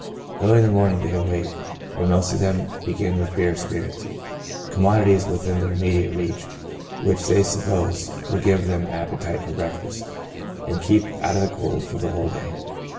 Early in the morning they awake, and most of them begin with beer or spirits : commodities within their immediate reach, which they suppose will give them an ap petite for breakfast, and keep out the cold for the whole day.